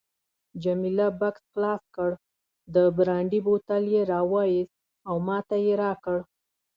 جميله بکس خلاص کړ، د برانډي بوتل یې راوایست او ماته یې راکړ.